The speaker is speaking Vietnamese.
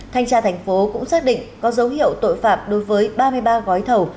thanh tra thành phố cũng xác định có dấu hiệu tội phạm đối với ba mươi ba gói thầu